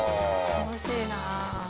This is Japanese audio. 楽しいなあ。